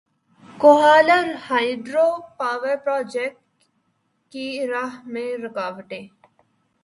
Kohala hydro power project کی راہ میں رکاوٹیں